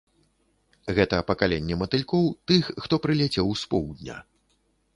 Гэта пакаленне матылькоў, тых, хто прыляцеў з поўдня.